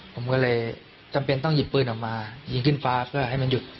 ผมก็เลยจำเป็นต้องหยิบปืนออกมายิงขึ้นฟ้าเพื่อให้มันหยุด